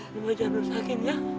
jangan rusakin ya